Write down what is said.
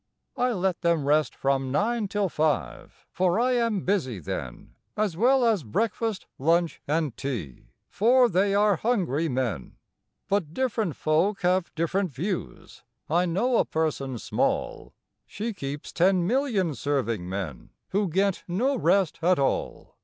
I let them rest from nine till five. For I am busy then, As well as breakfast, lunch, and tea, For they are hungry men: But different folk have different views: I know a person small She keeps ten million serving men, Who get no rest at all!